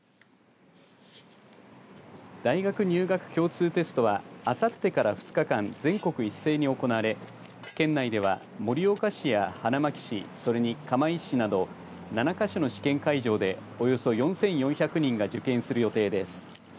大学入学共通テストはあさってから２日間全国一斉に行われ、県内では盛岡市や花巻市それに、釜石市など７か所の試験会場でおよそ４４００人が受験する予定です。